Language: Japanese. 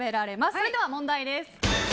それでは問題です。